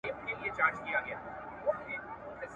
د بندیزونو لرې کېدل.